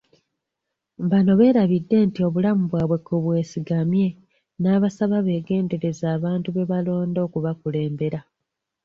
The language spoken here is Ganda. Bano beerabidde nti obulamu bwabwe kwe bwesigamye n'abasaba beegendereze abantu be balonda okubakulembera.